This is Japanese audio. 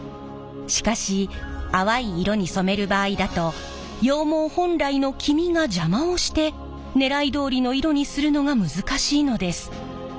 しかし淡い色に染める場合だと羊毛本来の黄みが邪魔をしてねらいどおりの色にするのが難しいのです。